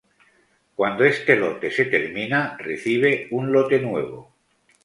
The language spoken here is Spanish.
Cuando este lote se termina recibe un lote nuevo.